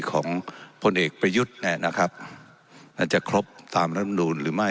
ของพลเอกประยุทธ์เนี่ยนะครับอาจจะครบตามรัฐมนูลหรือไม่